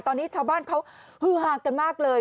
ตอนนี้ชาวบ้านเขาฮือฮากันมากเลย